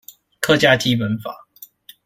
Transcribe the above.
客家基本法